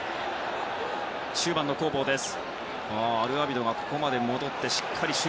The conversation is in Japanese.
中盤の攻防です。